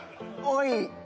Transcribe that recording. おい。